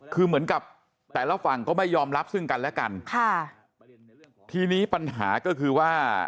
คือเหมือนกับแต่ละฝั่งก็ไม่ยอมรับซึ่งกันและกันค่ะทีนี้ปัญหาก็คือว่า